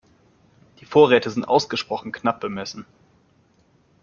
Die Vorräte sind ausgesprochen knapp bemessen.